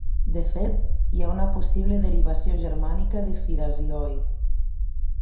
De fet, hi ha una possible derivació germànica de Phirasioi.